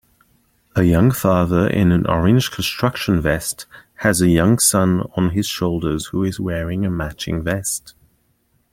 A young father in an orange construction vest has a young son on his shoulders who is wearing a matching vest